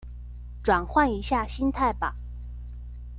轉換一下心態吧